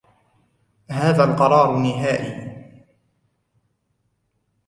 هذا القرار نهائي.